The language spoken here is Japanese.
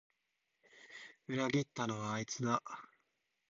裏切ったのはあいつだ